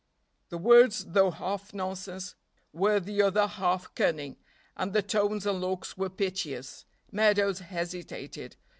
The words, though half nonsense, were the other half cunning, and the tones and looks were piteous. Meadows hesitated.